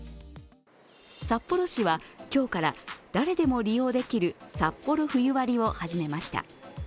札幌市は今日から誰でも利用できるサッポロ冬割を始めました。